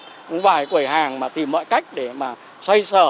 những vài quẩy hàng mà tìm mọi cách để mà xoay sở